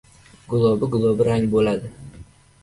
Gulobi-gulobi rang bo‘ladi!